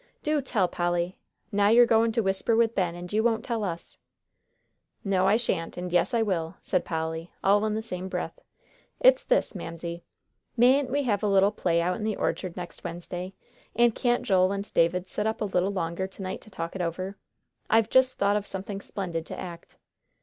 "Do tell, Polly! Now you're goin' to whisper with Ben, and you won't tell us." "No, I shan't and yes, I will," said Polly, all in the same breath. "It's this, Mamsie. Mayn't we have a little play out in the orchard next Wednesday, and can't Joel and David sit up a little longer to night to talk it over? I've just thought of something splendid to act."